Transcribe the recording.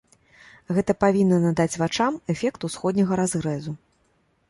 Гэта павінна надаць вачам эфект усходняга разрэзу.